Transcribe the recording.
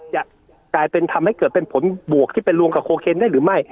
จะทำให้เกิดเป็นผลบวกที่เป็นลวงกับโคเคนได้หรือไม่